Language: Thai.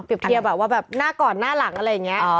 อ๋อเพียบเทียบแบบว่าแบบหน้าก่อนหน้าหลังอะไรเนี้ย